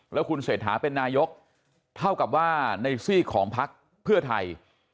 แล้วคุณเศรษฐาเป็นนายกเท่ากับว่าในซีกของพักเพื่อไทย